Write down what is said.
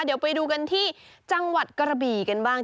เดี๋ยวไปดูกันที่จังหวัดกระบี่กันบ้าง